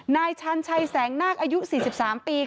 นายชันชัยแสงนาคอายุ๔๓ปี